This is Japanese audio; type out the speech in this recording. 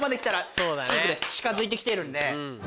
近づいて来てるんで。